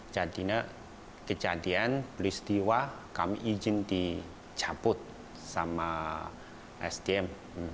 jadi kejadian beristiwa kami izin dicabut oleh esdm